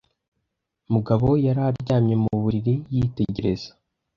Mugabo yari aryamye mu buriri, yitegereza